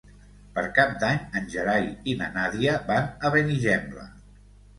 Per Cap d'Any en Gerai i na Nàdia van a Benigembla.